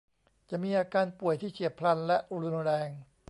จะมีอาการป่วยที่เฉียบพลันและรุนแรง